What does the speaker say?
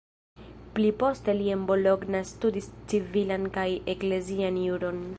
Pli poste li en Bologna studis civilan kaj eklezian juron.